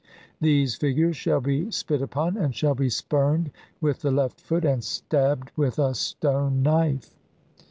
These figures shall be spit upon, and "shall be spurned with the left foot and stabbed with "a stone knife."